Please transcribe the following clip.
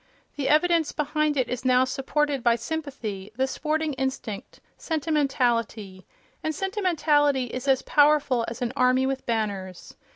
The evidence behind it is now supported by sympathy, the sporting instinct, sentimentality—and sentimentality is as powerful as an army with banners.